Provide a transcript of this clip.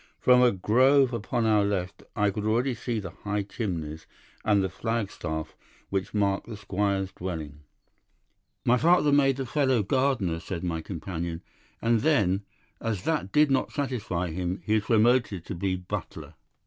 From a grove upon our left I could already see the high chimneys and the flag staff which marked the squire's dwelling. "'My father made the fellow gardener,' said my companion, 'and then, as that did not satisfy him, he was promoted to be butler.